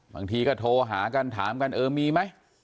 บางทีก็โทรหากันถามกันเออมีไหม